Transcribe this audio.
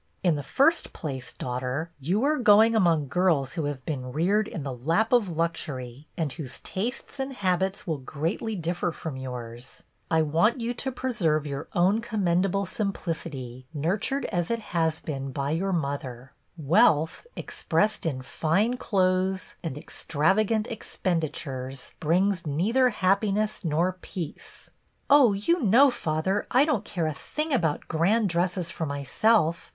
" In the first place, daughter, you are going among girls who have been reared in the lap of luxury and whose tastes and habits will greatly differ from yours. I want you BETTY HEARS GREAT NEWS 13 to preserve your own commendable simplic ity, nurtured as it has been by your mother. Wealth, expressed in fine clothes and extrav agant expenditures, brings neither happiness nor peace." "Oh, you know, father, I don't care a thing about grand dresses for myself.